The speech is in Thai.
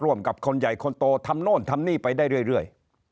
ร่วมกับคนใหญ่คนโตทำโน่นทำนี่ไปได้เรื่อย